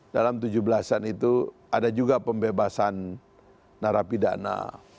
dalam tujuh belas an itu ada juga pembebasan narapidana